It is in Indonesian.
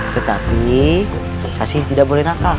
tetapi saksi tidak boleh nakal